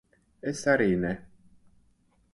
Es arī ne.